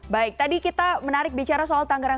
baik tadi kita menarik bicara soal tangerang